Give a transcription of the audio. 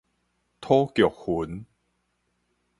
吐谷渾